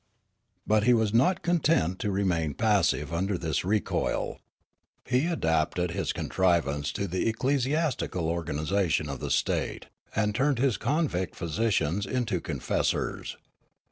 But he was not content to remain passive under 92 Riallaro this recoil. He adapted his contriv^ance to the ecclesi astical organisation of the state, and turned his convict ph3'sicians into confessors.